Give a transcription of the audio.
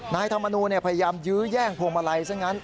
นายธรรมนูลพยายามยื้อแย่งพวงมาลัยซะงั้น